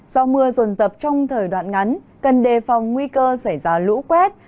do mưa rồn rập trong thời đoạn ngắn cần đề phòng nguy cơ xảy ra lũ quét